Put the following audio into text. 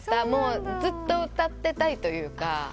ずっと歌ってたいというか。